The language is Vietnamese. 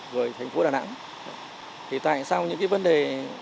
rồi thành phố đà nẵng thì tại sao những cái vấn đề